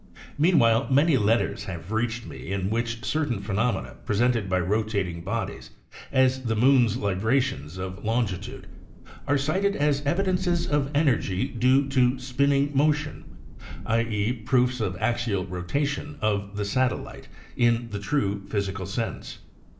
Meanwhile many letters have reached me in which certain phe nomena presented by rotating bodies, as the moon's librations of longitude, are cited as evidences of energy due to spinning motion, i. e., proofs of axial rotation of the satellite in the true physical sense.